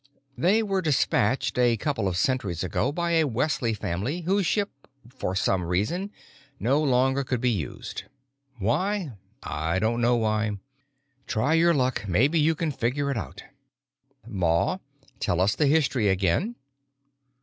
They were dispatched a couple of centuries ago by a Wesley family whose ship, for some reason, no longer could be used. Why?—I don't know why. Try your luck, maybe you can figure it out. Ma, tell us the history again."